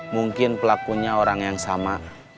mungkin pelakunya orang yang sama